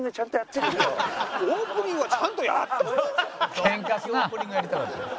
どんだけオープニングやりたかったん？